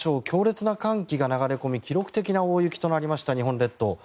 強烈な寒気が流れ込み記録的な大雪となりました日本列島。